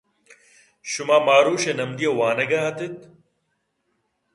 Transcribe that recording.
شما ماھروش ءِ نمدی ءَ وانگ ءَ اِت ات۔